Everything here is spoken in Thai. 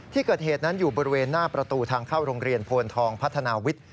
ที่เกิดเหตุนั้นอยู่บริเวณหน้าประตูทางเข้าโรงเรียนโพนทองพัฒนาวิทย์